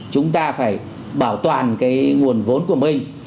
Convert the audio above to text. chúng ta phải bảo toàn cái nguồn vốn của mình